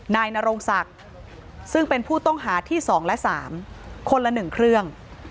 นายนโรงศักดิ์ซึ่งเป็นผู้ต้องหาที่๒และ๓คนละ๑เครื่อง